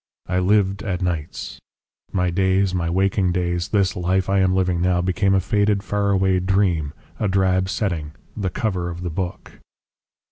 I lived at nights my days, my waking days, this life I am living now, became a faded, far away dream, a drab setting, the cover of the book."